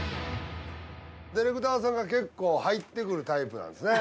ディレクターさんが結構入ってくるタイプなんですね。